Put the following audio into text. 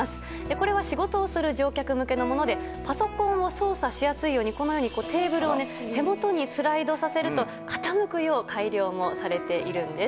これは仕事をする乗客向けのものでパソコンを操作しやすいようにこのようにテーブルを手元にスライドさせると傾くよう改良もされています。